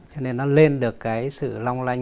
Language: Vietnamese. cho nên nó lên được cái sự long lanh